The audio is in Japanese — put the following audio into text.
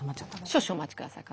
少々お待ちください。